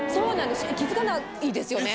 気付かないですよね？